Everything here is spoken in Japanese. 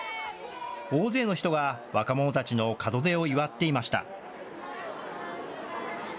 大勢の人が若者たちの門出を祝っていました。